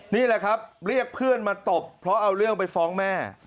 นี่แหละครับเรียกเพื่อนมาตบเพราะเอาเรื่องไปฟ้องแม่